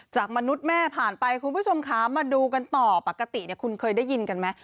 จากมนุษย์แม่ผ่านไปคุณผู้ชมค้ามาดูกันต่อปกติเนี่ยคุณเคยได้ยินกันมั้ย